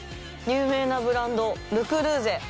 有名なブランド「ル・クルーゼ」。